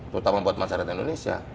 terutama buat masyarakat indonesia